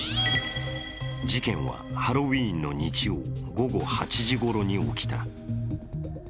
事件はハロウィーンの日曜午後８時ごろに起きた。